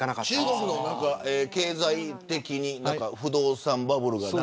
中国は経済的に不動産バブルが。